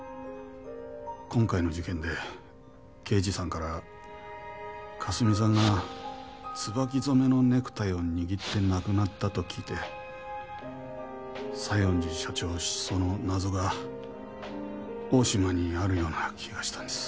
今回の事件で刑事さんから佳澄さんが椿染めのネクタイを握って亡くなったと聞いて西園寺社長の失踪の謎が大島にあるような気がしたんです。